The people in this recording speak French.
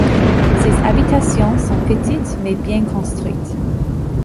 Ces habitations sont petites mais bien construites.